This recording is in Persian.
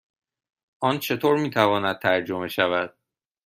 آن چطور می تواند ترجمه شود؟